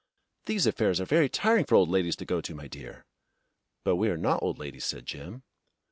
"These affairs are very tiring for old ladies to go to, my dear!" "But we are not old ladies," said Jim.